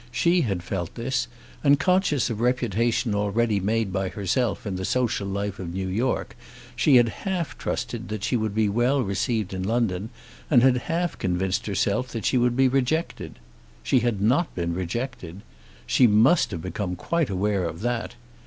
She had felt this, and conscious of reputation already made by herself in the social life of New York, she had half trusted that she would be well received in London, and had half convinced herself that she would be rejected. She had not been rejected. She must have become quite aware of that.